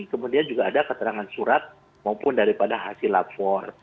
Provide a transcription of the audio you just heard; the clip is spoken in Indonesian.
kemudian juga ada keterangan surat maupun daripada hasil lapor